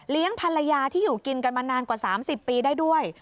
ภรรยาที่อยู่กินกันมานานกว่า๓๐ปีได้ด้วย